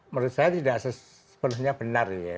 menurut saya tidak sepenuhnya benar ya